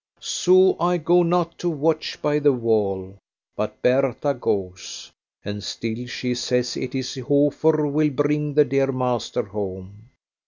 So I go not to watch by the wall; but Bertha goes, and still she says it is Hofer will bring the dear master home.